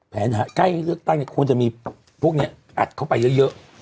หาใกล้เลือกตั้งควรจะมีพวกนี้อัดเข้าไปเยอะ